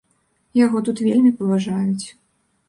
Яго тут вельмі паважаюць.